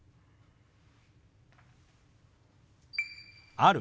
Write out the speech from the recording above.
「ある」。